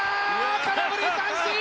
空振り三振！